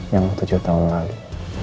yang tujuh tahun lalu